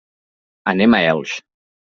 Anem a Elx.